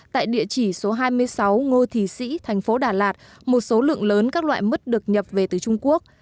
tại địa chỉ số hai mươi sáu ngô thị sĩ thành phố đà lạt một số lượng lớn các loại mứt được nhập về từ trung quốc